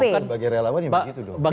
bukan sebagai relawan ya begitu dong